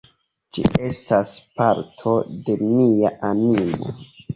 Ĝi estas parto de mia animo.